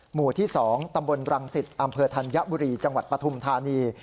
หมู่ที่๒ตำบลรังสิตอำเภอธัญบุรีจังหวัดปฐุมธานี